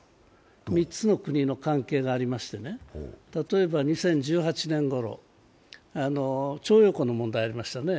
３つの国の関係がありましてね、例えば２０１８年ごろ徴用工の問題ありましたよね。